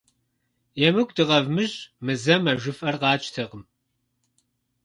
ЕмыкӀу дыкъэвмыщӀ, мы зэм а жыфӀэр къатщтэкъым.